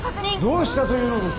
どうしたというのです。